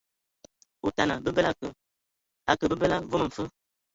Otana, babela a a akǝ babǝla vom mfǝ.